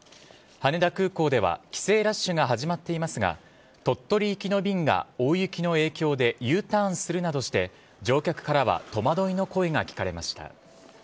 羽田空港では帰省ラッシュが始まっていますが、鳥取行きの便が大雪の影響でＵターンするなどして乗客からは戸惑いの声が聞かれました。